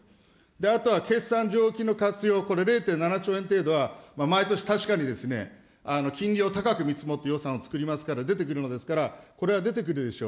あとは決算剰余金の活用、これ、０．７兆円程度は毎年、確かに金利を高く見積もって予算を作りますから、出てくるのですから、これは出てくるでしょう。